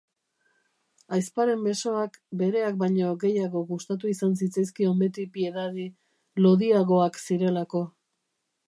Ahizparen besoak bereak baino gehiago gustatu izan zitzaizkion beti Piedadi, lodiagoak zirelako.